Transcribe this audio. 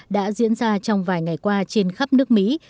đã diễn ra trong vài ngày qua trên khắp nước mỹ